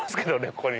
ここに。